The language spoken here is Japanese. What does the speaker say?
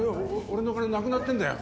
俺の金なくなってんだよ。